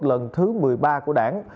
lần thứ một mươi ba của đảng